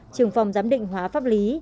trường phòng giám định hóa pháp lý